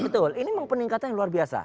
betul ini memang peningkatan yang luar biasa